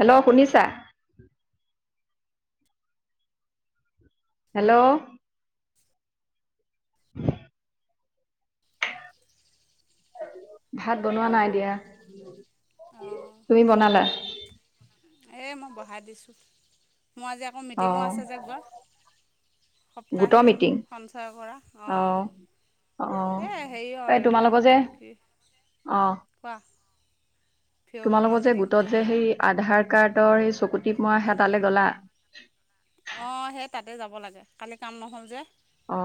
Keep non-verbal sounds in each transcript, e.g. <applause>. Hello শুনিছা? Hello ভাত বনোৱা নাই দিয়া, তুমি বনালা? এ মই বহাই দিছো, মই যে আকৌ মিটিঙো অঁ আছে যেক বা। গোটৰ সপ্তাহী মিটিং সঞ্চয়ৰ পৰা, অ। অঁ অঁ এ হেৰি আৰু এই এইবিলাক তোমালোকৰ যে কি অঁ কোৱা? ভিঅ' গোটৰ তোমালোকৰ যে মিটিং গোটত যে সেই আধাৰ কাৰ্ডৰ সেই চকু টিপ মৰা এ তালে গলা? অ সেই তাতে যাব লাগে, কালি কাম নহ'ল যে? অ।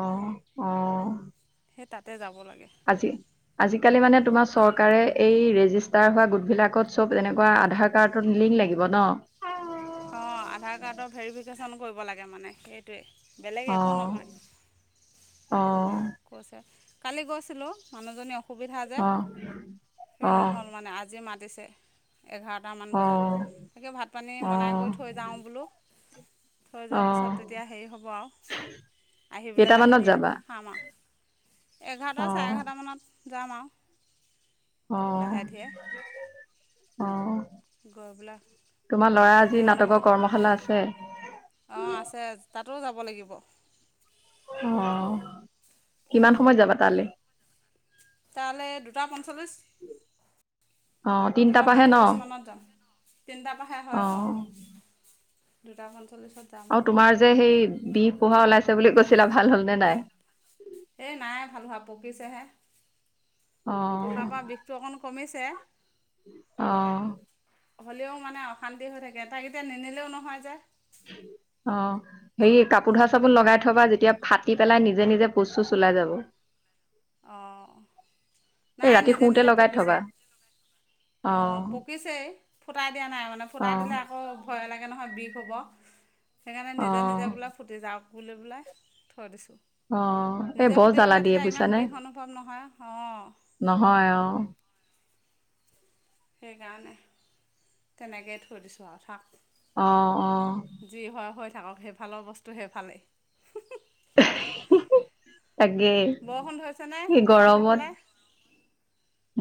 সে তাতে যাব লাগে। আজি? আজিকালি মানে তোমাৰ চৰকাৰে এই ৰেজিষ্টাৰ হোৱা গোটবিলাকত চব যেনেকুৱা আধাৰ কাৰ্ডত লিংক লাগিব ন? অ আধাৰ কাৰ্ডৰ ভেৰিফিকেশ্যন কৰিব লাগে মানে সেইটোৱে, বেলেগ একো নহয়? অ। কৈছে, কালি গৈছিলোঁ মানুহজনী অ সুবিধা যে, অঁ সেই অঁ নহ'ল মানে আজি মাতিছে এঘাৰ টামান বজাত, অঁ তাকে ভাত পানী বনাই অঁ গৈ থৈ যাওঁ বোলো। থৈ যোৱাৰ অঁ পিছত তেতিয়া হেৰি হ'ব আৰু আহিবলৈ লাহে কেইটামানত ধীৰে যাবা? খাম আও এঘাৰটা চাৰে অঁ এঘাৰটামানত যাম আও অ অ গৈ পেলাই তোমাৰ লৰা আজি নাটকৰ কৰ্মশালা আছে। অ আছে তাতো যাব লাগিব। অ কিমান সময়ত যাবা তালে? তালে দুটা পঞ্চল্লিছ। অ', তিনটাৰ দুটা পৰাহে ন পঞ্চল্লিছ মানত যাম, তিনিটাৰ পাহে হয় অ। দুটা পঞ্চল্লিছত। যাম আও আৰু তোমাৰ যে সেই বিষ পোহা ওলাইছে বুলি কৈছিলা ভাল হল নে নাই? সেই নাই ভাল হয় পকিছেহে পকাৰ অ', পৰা বিষটো অকণ কমিছে। অ হ'লেও মানে অশান্তি হৈ থাকে তাক এতিয়া নিনিলেও নহয় যে। অ হেৰি কাপোৰ ধোৱা যাব চাবোন লাগিবই লগাই থবা যেতিয়া- ফাটি পেলাই নিজে নিজে পচু চুজ ওলাই যাব। অ এই নাই ৰাতি নিজে শুওঁতে নিজে লগাই পকিছে। থবা অ পকিছেই ফুটাই দিয়া নাই মানে ফুটাই অ', দিলে আকৌ ভয় লাগে নহয় বিষ হব সেইকাৰণে নিজে অ', নিজে বোলা- ফুটি যাওক বুলি পেলাই থৈ দিছোঁ। অ এই বৰ জ্বালা দিয়ে বুইছানে। অ নহয় অ। সেইকাৰণে- তেনেকেই থৈ দিছোঁ আও থাক। অ অ যি হয় হৈ থাকক সেইফালৰ বস্তু সেইফালেই- তাকে - বৰষুণ ধৰিছে নে তোমালোকৰ ফালে।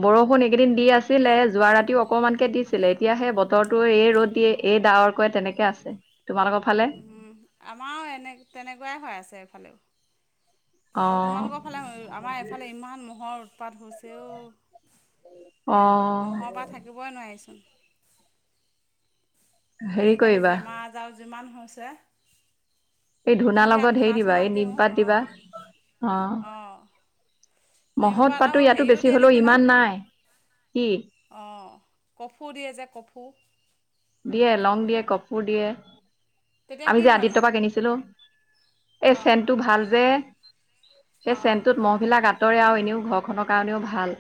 বৰষুণ এইকেইদিন দি আছিলে যোৱা ৰাতিও অকণমান। কে দিছিলে এতিয়া সেই বতৰটো এই ৰ'দ দিয়ে এই ডাৱৰ কৈ তেনেকে আছে তোমালোকৰ ফালে উম আমাৰো এনে তেনেকুৱাই হৈ আছে এইফালেও- অ আও তোমালোকৰ ফালে আমাৰ এইফালে ইমান ম'হৰ উৎপাত হৈছেও। অ মহৰ পা থাকিবই নোৱাৰিচোন। হেৰি আজিকালি কৰিবা বেমাৰ আজাৰো যিমান হৈছে। এই ধূনা সন্ধিয়া লগত হেৰি ধূনা দিবা চোনা এই দিওঁ নিমপাত অ দিবা অ। মহত নিমপাত পাতো আও ইয়াতো হেৰিও বেছি দিয়ে হ'লেও নেকি ন। ইমান নাই কি অ কফু দিয়ে যে কফু। দিয়ে লং দিয়ে কপোৰ দিয়ে তেতিয়া কি আমি যে হয়নো আদিত্য পা কিনিছিলো। এই অঁ চেনটো ভাল যে সেই অঁ চেনটোত মহবিলাক আত- দৰে আৰু এনেও ঘৰখনৰ কাৰণেও ভাল।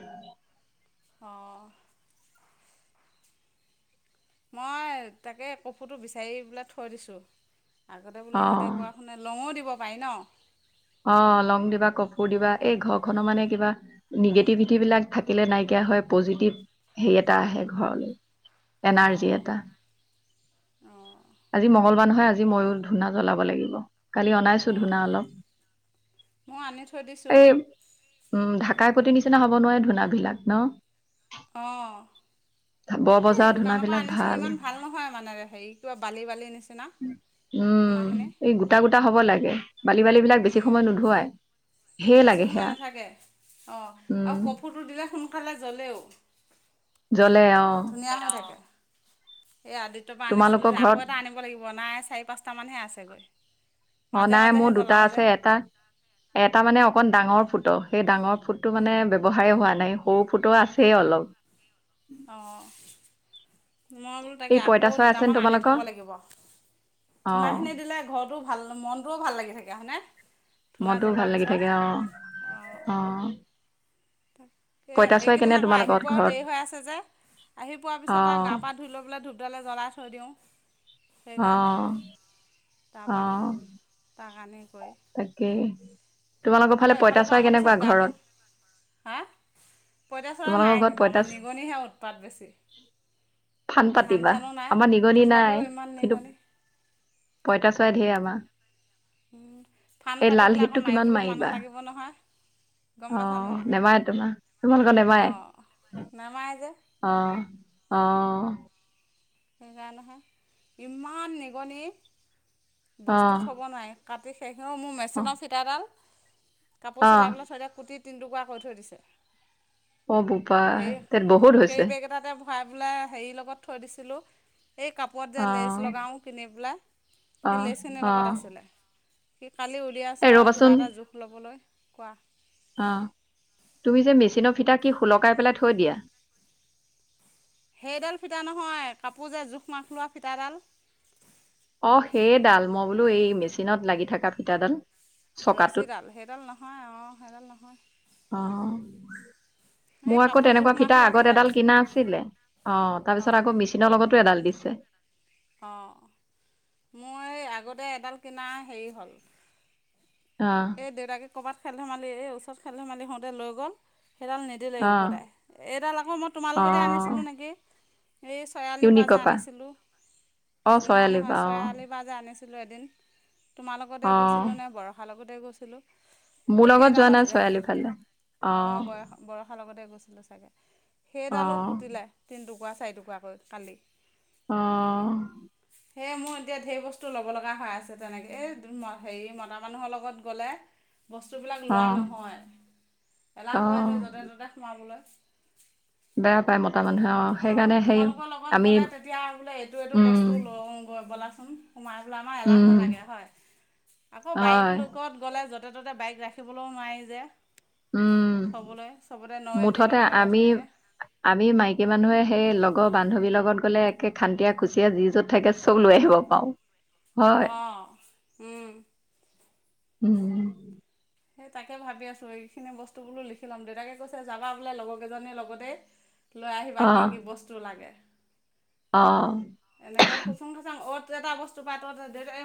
অঁ। মই তাকে কফুটো বিচাৰি পেলাই থৈ দিছোঁ। আগতে বোলো ইহঁতে অ কোৱা মানে লঙো দিব পাৰি ন? অ লং দিবা, কপোৰ দিবা এই ঘৰ খনৰ মানে কিবা নিগেটিভিটিবিলাক থাকিলে নাইকিয়া হয় পজিটিভ হেৰি এটা আহে ঘৰলৈ। এনাৰ্জি অঁ এটা। অঁ আজি মঙগলবাৰ নহয় আজি মইও ধূনা জ্বলাব লাগিব, কালি অনাইছো অঁ ধূনা অলপ। মই আনি থৈ দিছোঁ। এই উম ঢাকাই পতি নিচিনা হ'ব নোৱাৰে ধূনাবিলাক ন? অঁ। বৰ এই বজাৰৰ দোকানৰ পৰা ধূনাবিলাক আনিছোঁ ইমান ভাল নহয় মানে হেৰিটো আৰু বালি বালিৰ নিচিনা। ধুনাখিনি। গোটা-গোটা হব লাগে, বালি-বালি বিলাক বেছি সময় নোধুৱাই, সেয় বেছি লাগে সময় সেয়া উম। ফটো দিলে সোনকালে জ্বলেও। জ্বলে অ। বেয়া হৈ থাকে, সেই আদিত্য পৰা আনিছিলোঁ তোমালোকৰ যে আকৌ ঘৰত এটা আনিব লাগিব, নাই চাৰি - পাঁচ টামানহে আছেগৈ। অ, মাজে নাই মাজেহে মোৰ দুটা জ্বলাওঁ যে আছে এটা এটা মানে অকণ ডাঙৰ ফুটো, সেই ডাঙৰ ফুটটো মানে ব্যৱহাৰেই হোৱা নাই সৰু ফুটো আছে অলপ। অ'। মই বোলো তাকে এই আকৌ পঁইতা চৰাই আছে নে দুটামান আনি তোমালোকৰ থ'ব লাগিব। অ ধূনাখিনি দিলে ঘৰত টো ভাল মনটোও ভাল লাগি থাকে হয়নে, ধূনা মনটোও জ্বলোৱাৰ ভাল লাগি পিছত? থাকে অ অ'। তাকে পঁইতা চৰাই কেনে এইকেইদিন আকৌ আহি তোমালোকৰ পোৱাও ঘৰত দেৰি হৈ আছে যে, আহি পোৱাৰ অ পিছত আৰু গা পা ধুই লৈ পেলাই ধূপডালৈ জ্বলাই থৈ দিওঁ, অ সেইকাৰণেহে। তাবা তাক আনি কৰি। তাকে, তোমালোকৰ আকৌ ফালে পইতাচৰাই কেনেকুৱা ঘৰত? হাঁ? পইতাচোৰা তোমালোকৰ নাই ঘৰত কিন্তু পঁইতা আমাৰ চ- নিগনিহে উৎপাত বেছি। ফান ধান পাতিবা চানো নাই আমাৰ নিগনি তথাপিও নাই ইমান কিন্তু নিগনি পইতাছুৰা ঢেৰ আমাৰ। উম ফাণ্ড এই লাল পাতিবলৈ আকৌ হিটটো কিমান মাৰিবলৈও মাৰিবা মানুহ লাগিব নহয়? গম পাইছানে অ', নাই নেমাৰে তোমাৰ। তোমালোকৰ বেমাৰে? অঁ নামাৰে যে অ', অ'। সেইকাৰণেহে। ইমান নিগনি, অ বস্তু থ'ব নোৱাৰে। কাটি শেষেও মোৰ মেচিনৰ ফিটাডাল, কাপোৰ অ অ চিলাই পেলাই থৈ দিওঁ কুটি তিন টুকুৰা কৰি থৈ দিছে। অ, বোপা। তে বহুত হৈছে। খাই পেলাই হেৰিৰ লগত থৈ দিছিলোঁ। এই কাপোৰত যে অ লেচ লগাওঁ কিনি পেলাই? অ সেই লেচখিনিৰ অ লগত আছিলে। সি কালি এ উলিয়াইছোঁ আৰু ৰ'বাচোন কিবা এটা জোখ ল'বলৈ। কোৱা? অ', তুমি যে মেচিনৰ ফিতা কি শুলকাই পেলাই থৈ দিয়া? সেইডাল ফিতা নহয়, কাপোৰ যে জোখ মাখ লোৱা ফিতাডাল? অ', সেইডাল। মই বোলো এই মেচিনত লাগি থকা ফিটাডাল। চকাটোত ৰছীডাল? সেইডাল নহয় অ, সেইডাল নহয়। অ এই মোৰ আকৌ কাপোৰ তেনেকুৱা জোখ মাখ ফিটা লোৱা আগত এডাল ফিটাডাল কিনা আছিলে। অ', তাৰপিছত অঁ আকৌ মেচিনৰ লগতো এডাল দিছে। অ', মোৰ আগতে এডাল কিনা হেৰি হ'ল। আ দেউতাক ক'ৰবাত খেল ধেমালি এই ওচৰত খেল ধমালি হওঁতে লৈ গ'ল, সেইডাল নিদ দিলে অ উভদাই এইডাল আকৌ মই তোমাৰ অ লগতে আনিছিলোঁ নেকি? হে চয় আলিৰ পা যে ইউনিকৰ পৰা আনিছিলোঁ? অ চৰালিৰ নহয়-নহয় পৰা অ চয় আলী বা যে আনিছিলোঁ এদিন, তোমাৰ লগতে অ গৈছিলোঁ নে বৰষাৰ লগতে গৈছিলোঁ? মোৰ সেই লগত সেইডাল যোৱা নাই আছিলে। চৰালি ফালে অ', বয়স বৰষাৰ লগতে গৈছিলোঁ চাগে। অ সেইডালো কুটিলে তিনিটুকুৰা চাৰিটুকুৰাকৈ কালি। অ'। সেয়ে মোৰ এতিয়া ঢেৰ বস্তু ল'ব লগা হৈ আছে তেনেকে, এ হেৰি মতা মানুহৰ লগত গ'লে বস্তুবিলাক লোৱা অ নহয়। এলাহ কৰে অ যে য'তে ত'তে সোমাবলৈ। বেয়া পায় মতা মানুহে ত অ', সেইকাৰণে সেই তোমালোকৰ লগত আমি গলে তেতিয়া বোলে এইটো এইটো উম বস্তু ল ব বলাচোন সোমাই বলৈ আমাৰ এলাহ উম নালাগে হয়, আকৌ বাইক হয় লগত গ'লে' য ত ততে বাইক ৰাখিবলৈও নোৱাৰি যে। উম থবলৈ চবতে ন এন্ট্ৰী মুঠতে লগাই-লগাই আমি থৈ দিয়ে। আমি মাইকী মানুহে সেই লগৰ বান্ধৱীৰ লগত গ'লে একে খান্তিয়ীয়া খুচিয়া যি য'ত থাকে চব লৈ আহিব পাৰো। হয় অঁ উম। উম। সেই তাকে ভাবি আছোঁ এইখিনি বস্তু বোলো লিখি ল'ম। দেউতাকে কৈছে যাবা বোলে লগৰ কেইজনীৰ লগতে লৈ আহিবা অ কি-কি বস্তু লাগে। অ'। এনেকুৱা খুসুং খাসং অ'ত এটা বস্তু পায় ট'ত দেউতাকে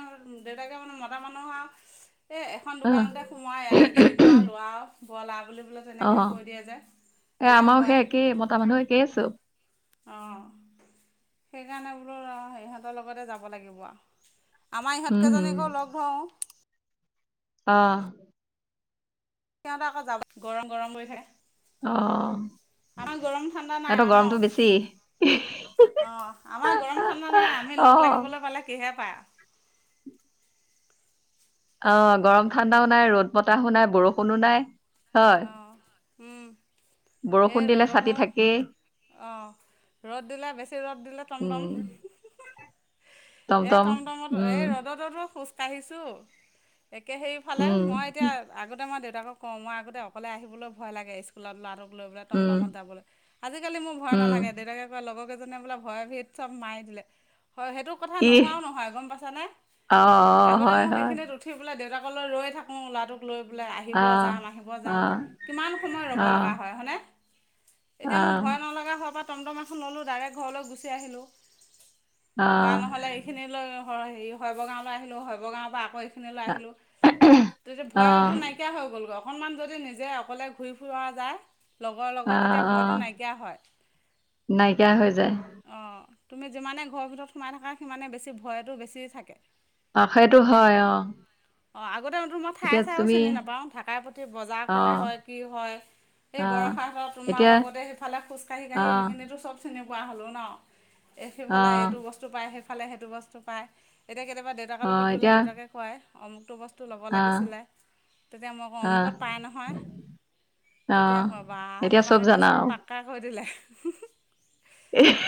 দেউতাকে মানে মতা মানুহ আৰু এই এখন অ দোকানতে সোমোৱাই, ইয়াতে যি পোৱা লোৱা বল আ বুলি বোলে। এইটো অ এনেকে কৈ দিয়ে যে, এ এলাহ আমাৰো কৰে। সেই একেই মতা মানুহ একেই চব আহ। সেইকাৰণে বোলো ইহঁতৰ লগতে যাব লাগিব আৰু। আমাৰ উম ইহঁতকেইজনীকো লগ ধৰঁ অঁ। সিহঁতে আকৌ যাব গৰম - গৰম কৰি থাকে। অঁ। আমাৰ গৰম ঠাণ্ডা নাই আ ন। অঁ আমাৰ গৰম ঠাণ্ডা নাই। আমি অ লগ লাগিবলৈ পালে কিহে পাই আ। অঁ গৰম ঠাণ্ডাও নাই, ৰ'দ বতাহো নাই, বৰষুণো নাই। হয় অঁ উম এই বৰষুণ দিলে ৰ'দক ছাতি থাকেই অঁ ৰ'দ দিলে বেছি ৰ'দ দিলে টমটম উম হুহুহু। এ টমটম টমটমত এ উম ৰ'দত'দো খোজ কাঢ়িছোঁ। একে সেইফালে উম মই এতিয়া আগতে মই দেউতাকক কওঁ মই আগতে অকলে আহিবলৈ ভয় লাগে স্কুলত ল'ৰাটোক লৈ পেলাই উম টমটত যাবলৈ। আজিকালি মোৰ ভয় উম নালাগে। দেউতাকে লগৰ কেইজনে বোলে ভয় ভিত চব মা এ দিলে। হয় সেইটো সেইটো কথা ইহ নোহোৱাও নহয় গম পাইছানে? অ অ আগতে হয় মোক হয় সেইখিনিত উঠ উঠি পেলাই দেউতাকলৈ ৰৈ থাকোঁ ল'ৰাটোক লৈ পেলাই আহিব আহ যাম আহিব যাম। আহ কিমান সময় ৰ'ব আহ লগা হয় হয়নে? এতিয়া মোৰ আহ ভয় নলগা হল পা টমটম ললো ডাইৰেক্ট ঘৰলৈ গুছি আহিলো বা নহলে খিনিলৈ হৰি শবগাঁৱলৈ আহিলোঁ, শব গাঁৱৰ পৰা আকৌ সেনেকে লৈ আহিলো। ত ত আহ অ ভয়টো নাইকিয়া হৈ গল। অকনমান যদি নি যে অকলে ঘূৰি ফুৰা যায়। লগৰ লগত অ তেতিয়া অ ভয়টো নাইকিয়া হয়। নাইকিয়া হৈ যায় অঁ তুমি যিমানে ঘৰৰ ভিতৰত সোমাই থাকা সিমানে বেছি ভয়টো বেছি থাকে। অঁ সেইটো হয় অঁ। অঁ আগতে মই ঠাই চাইও চিনি নাপাওঁ। থাকাই প্ৰতি বজাৰ অ কত হয়, কি হয়, সেই অ বৰষাহঁতত তোমাৰ এতিয়া লগতে সেইফালে খোজকাঢ়ি অ কাঢ়ি সেইখিনিতো চব চিনি পোৱা হ'লোঁ ন। অ সিফালে এইটো বস বস্তু পায় সেফালে, সেইটো বস্তু পায়, এতিয়া কেতিয়াবা দেউতাকৰ অ লগত গলে এতিয়া দেউতাকে কয় অমুকটো বস তো লব অ লাগিছিলে, তেতিয়া মই কওঁ অ অমুকত পাই ন অ তেতিয়া ক'বা এতিয়া তোমাক একে জানা চব পাক্কা কৰি দিলে। এই <unintelligible>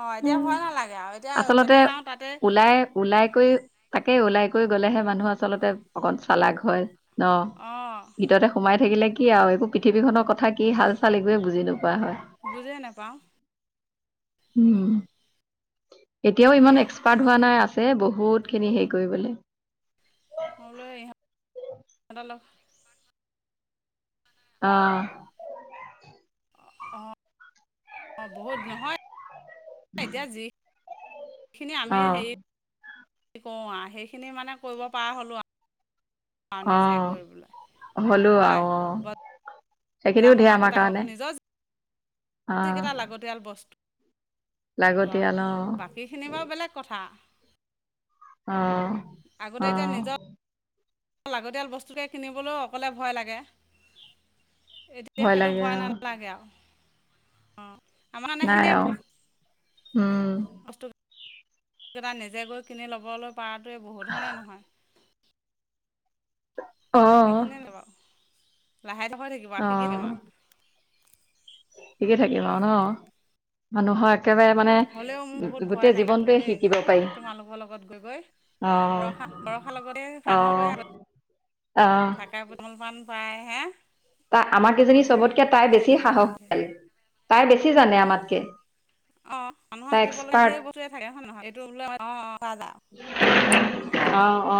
অ এতিয়া আৰু ভয় নালাগে আও। আচলতে ওলাই- ওলাই কৰি তাকে ওলাই কৰি গ'লেহে মানুহ আচলতে অকণ চালাগ হয় ন। অ ভিতৰতে সোমাই থাকিলে কি আৰু একো পৃথিৱীখনৰ কথা কি হাল চাল একোৱে বুজি নোপোৱা হয়। বুজে নাপাওঁ। উম। এতিয়াও ইমান তাকেই এক্সপাৰ্ট হোৱা নাই। আছে বহুত খিনি হেৰি কৰিবলে। মই বোলো ইহঁত লগ- অ অ বহুত নহয় এতিয়া যি সেইখিনি আমি অ হেৰি কৰোঁ আও সেইখিনি মানে কৰিব পৰা হ'লোঁ আও। পাওঁ অ নিজে কৰিবলৈ হ'লো হয়। আৰু অ সেইখিনিও বজাৰ ধেৰ সমাৰ আমাৰ কেইটাই কাৰণে হওক নিজজ অ যি কেইটা লাগতিয়াল বস্ তো আও লাগতিয়াল অ বাকীখিনি বাৰু বেলেগ কথা। অ আগতে অ এতিয়া নিজৰ লাগতিয়াল বস্তুকে কিনিবলৈও অকলে ভয় লাগে। এতিয়া সেইটো লাগে ভয় অ নালাগে আও অ। আমাৰ কাৰণে নাই সেইখিনিয়ে আৰু উম বহুত বস্তু কেইটা নিজে গৈ কিনি ল'বলৈ পৰাটোৱে বহুত হয় না নহয়? অ বাকীখিনি নে বাওঁ লাহে লাহ হৈ থাকিব অ শিকি থাকিব আও শিকি থাকিম অ ন মানুহৰ একেবাৰে মানে হ'লেও মোৰ বহুত ভয় গোটেই নাইকিয়া হ'ব জীৱনটোৱে দেই শিকিব পাই। তোমালোকৰ লগত গৈ গৈ আহ বৰষা বৰষাৰ লগতে সাহসে আহ আহ থাকে তামোল পাণ পায় হে তা আমাৰকেইজনী উম চবতকে তাই শিকি বেছি থাকিম আৰু লাহে ধীৰে সাহসী। তাই বেছি জানে আমাতকে। অ মানুহৰ তাই শিকিব লগা এক্সপাৰ্ট ঢেৰ বস্তুৱে থাকে হয় নহয়? এইটো বোলে অ <unintelligible> অ এনেকুৱা যা অ অ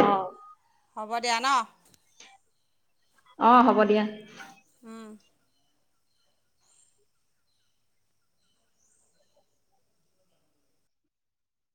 হ'ব দিয়া ন? অ হ'ব দিয়া। উম